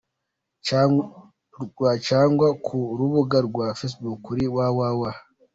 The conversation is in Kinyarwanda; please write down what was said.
rw cyangwa ku rubuga rwa facebook kuri www.